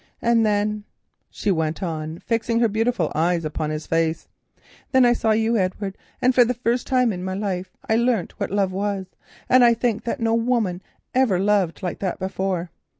And then," she went on, fixing her beautiful eyes upon his face, "then I saw you, Edward, and for the first time in my life I learnt what love was, and I think that no woman ever loved like that before.